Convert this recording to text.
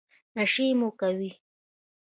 نشې مه کوئ